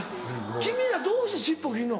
君らどうして尻尾切るの？